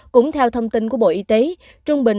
cũng theo thông tin của bộ y tế